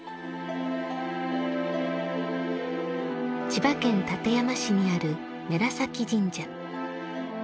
千葉県館山市にある布良崎神社。